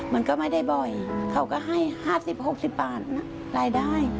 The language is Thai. มันก็ไม่ได้บ่อยเขาก็ให้๕๐๖๐บาทรายได้